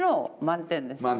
満点ですね。